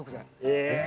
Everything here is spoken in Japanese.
え